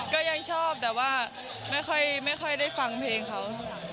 ก็ยังชอบแต่ว่าไม่ค่อยได้ฟังเพลงเขาเท่าไหร่